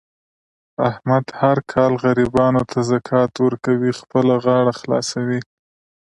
احمد هر کال غریبانو ته زکات ورکوي. خپله غاړه خلاصوي.